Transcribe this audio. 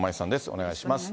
お願いします。